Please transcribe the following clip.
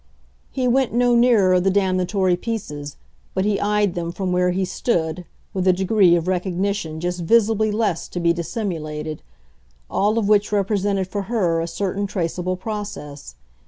He went no nearer the damnatory pieces, but he eyed them, from where he stood, with a degree of recognition just visibly less to be dissimulated; all of which represented for her a certain traceable process.